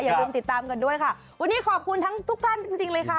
อย่าลืมติดตามกันด้วยค่ะวันนี้ขอบคุณทั้งทุกท่านจริงจริงเลยค่ะ